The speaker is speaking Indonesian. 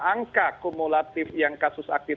angka kumulatif yang kasus aktif